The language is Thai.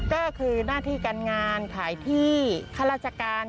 ก็คือหน้าที่การงานขายที่ข้าราชการ